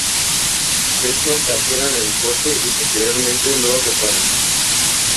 Tras esto, capturan el fuerte y posteriormente lo reparan.